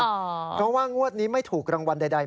เพราะว่างวดนี้ไม่ถูกรางวัลใด